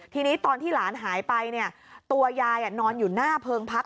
ทีนี้ตอนที่หลานหายไปเนี่ยตัวยายนอนอยู่หน้าเพิงพัก